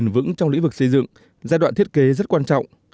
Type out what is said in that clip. vững trong lĩ vực xây dựng giai đoạn thiết kế rất quan trọng